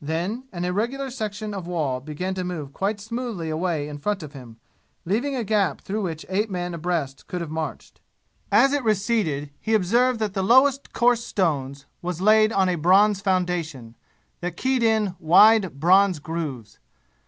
Then an irregular section of wall began to move quite smoothly away in front of him, leaving a gap through which eight men abreast could have marched. As it receded he observed that the lowest course stones was laid on a bronze foundation, that keyed in wide bronze grooves.